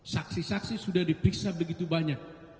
saksi saksi sudah diperiksa begitu banyak